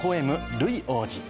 ルイ王子。